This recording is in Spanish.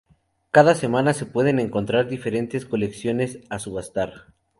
Cada semana se pueden encontrar diferentes colecciones a subastar.